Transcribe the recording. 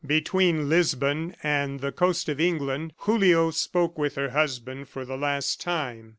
Between Lisbon and the coast of England, Julio spoke with her husband for the last time.